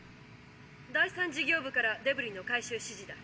第３事業部からデブリの回収指示だ。